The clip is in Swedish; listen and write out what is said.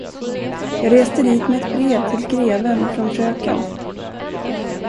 Jag reste dit med ett brev till greven från fröken.